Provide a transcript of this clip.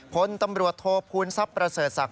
พลตำรวจโทษภูมิทรัพย์ประเสริฐศักดิ